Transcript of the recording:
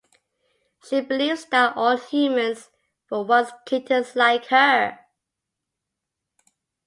She believes that all humans were once kittens like her.